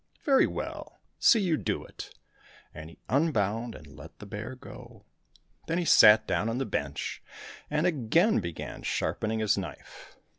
—" Very well, see you do it," and he unbound and let the bear go. Then he sat down on the bench and again began sharpening his knife.